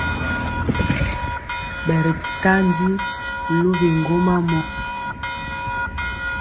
Ɓɛri ntandi luwi ŋgwoma mɔ.